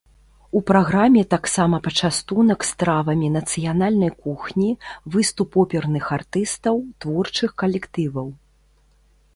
У праграме таксама пачастунак стравамі нацыянальнай кухні, выступ оперных артыстаў, творчых калектываў.